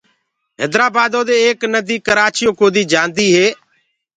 هيدرآبآدو دي ايڪ نديٚ ڪرآچيو ڪوديٚ جآنٚديٚ هي